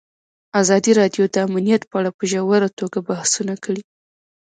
ازادي راډیو د امنیت په اړه په ژوره توګه بحثونه کړي.